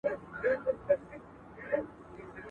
موږ باید د ناپوهۍ پر وړاندې مبارزه وکړو.